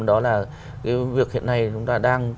đó là cái việc hiện nay chúng ta đang